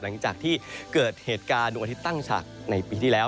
หลังจากที่เกิดเหตุการณ์ดวงอาทิตย์ตั้งฉากในปีที่แล้ว